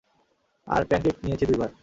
আর pancake নিয়েছি দুইবার।